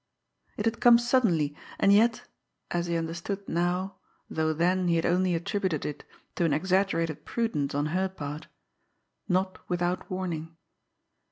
It had come suddenly, and yet as he understood now, though then he had only attributed it to an exaggerated prudence on her part not without warning.